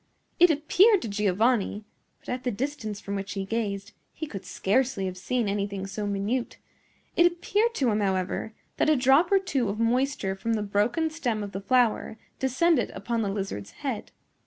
It appeared to Giovanni,—but, at the distance from which he gazed, he could scarcely have seen anything so minute,—it appeared to him, however, that a drop or two of moisture from the broken stem of the flower descended upon the lizard's head.